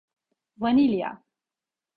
Vanilya…